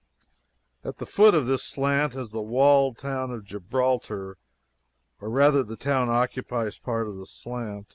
At the foot of this slant is the walled town of Gibraltar or rather the town occupies part of the slant.